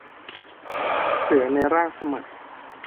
เสือในร่างสมัน